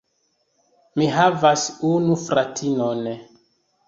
Mi havas unu fratinon.